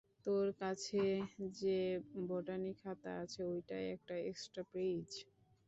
তোর কাছে যে বোটানি খাতা আছে ঐটায় আছে এক্সট্রা পেইজ?